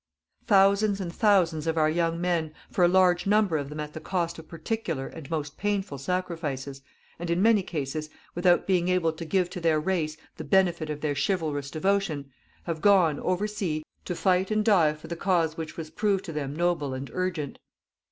"Thousands and thousands of our young men, for a large number of them at the cost of particular and most painful sacrifices, and in many cases, without being able to give to their race the benefit of their chivalrous devotion, have gone, oversea, to fight and die for the cause which was proved to them noble and urgent.